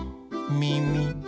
みみ。